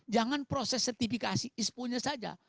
jangan proses sertifikasi ispo nya saja